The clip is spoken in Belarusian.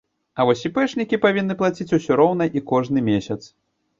А вось іпэшнікі павінны плаціць усё роўна і кожны месяц.